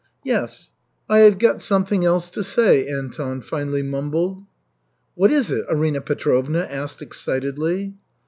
"Yes, I have got something else to say," Anton finally mumbled. "What is it?" Arina Petrovna asked excitedly.